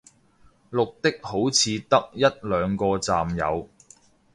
綠的好似得一兩個站有